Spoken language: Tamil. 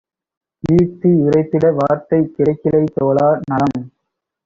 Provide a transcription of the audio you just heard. கீர்த்தி யுரைத்திட வார்த்தை கிடைக்கிலை தோழா - நலம்